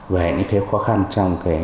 về những khó khăn trong